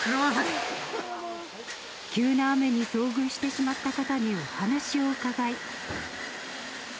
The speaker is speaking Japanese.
急な雨に遭遇してしまった方にお話を伺い。